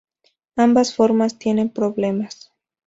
Ambas formas tienen problemas.